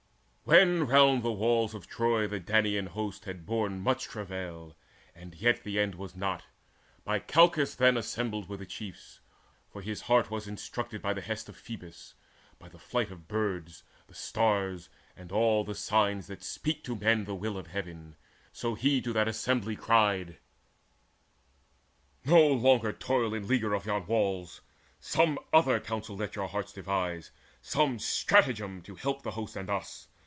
When round the walls of Troy the Danaan host Had borne much travail, and yet the end was not, By Calchas then assembled were the chiefs; For his heart was instructed by the hests Of Phoebus, by the flights of birds, the stars, And all the signs that speak to men the will Of Heaven; so he to that assembly cried: "No longer toil in leaguer of yon walls; Some other counsel let your hearts devise, Some stratagem to help the host and us.